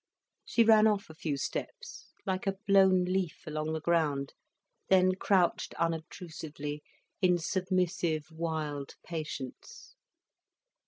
She ran off a few steps, like a blown leaf along the ground, then crouched unobtrusively, in submissive, wild patience.